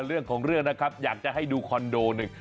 เรื่องของเรื่องนะครับอยากจะให้ดูคอนโดหนึ่ง